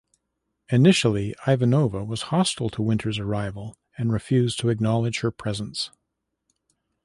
Initially, Ivanova was hostile to Winters' arrival and refused to acknowledge her presence.